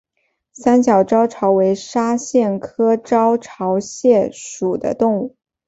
三角招潮为沙蟹科招潮蟹属的动物。